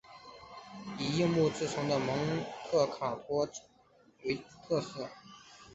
以硬木制成的蒙特卡洛枪托为特色。